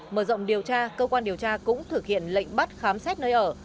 mở rộng điều tra cơ quan điều tra cũng thực hiện lệnh bắt khám xét nơi ở